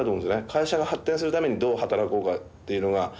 会社が発展するためにどう働こうかっていうのが。